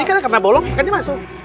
ini karena bolong kainnya masuk